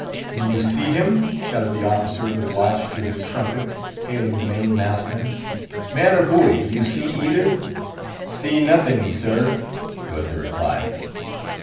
"Do you see him?" shouted the officer of the watch through his trumpet, hailing the main mast head. "Man or buoy, do you see either?" "See nothing, sir," was the reply.